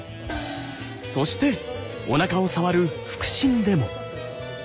そしておなかを触る腹診でも。